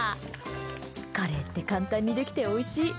カレーって簡単にできておいしい。